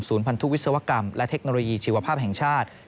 พันธุวิศวกรรมและเทคโนโลยีชีวภาพแห่งชาติ